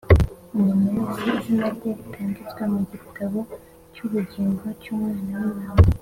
umuntu wese izina rye ritanditswe mu gitabo cy’ubugingo cy’Umwana w’Intama,